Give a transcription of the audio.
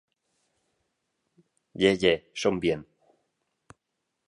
Gie, gie schon bien.